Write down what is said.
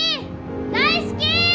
大好き！